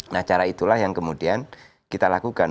nah cara itulah yang kemudian kita lakukan